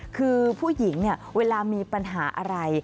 คือผู้หญิงเนี่ยเวลามีปัญหาอะไร